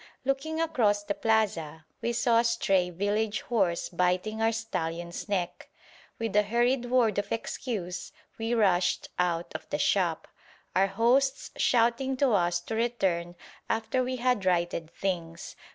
Looking across the plaza, we saw a stray village horse biting our stallion's neck. With a hurried word of excuse, we rushed out of the shop, our hosts shouting to us to return after we had righted things.